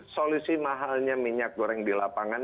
solusi mahalnya minyak goreng di lapangan